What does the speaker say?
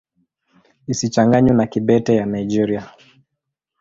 Isichanganywe na Kibete ya Nigeria.